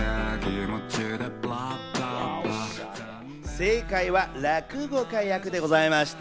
正解は落語家役でございました。